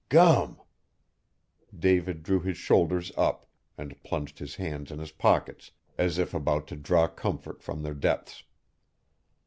Gum!" David drew his shoulders up and plunged his hands in his pockets, as if about to draw comfort from their depths.